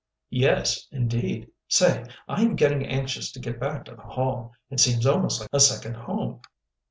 "Yes, indeed. Say, I am getting anxious to get back to the Hall. It seems almost like a second home."